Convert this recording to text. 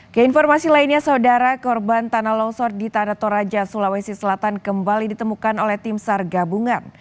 keinformasi lainnya saudara korban tanah longsor di tanah toraja sulawesi selatan kembali ditemukan oleh tim sar gabungan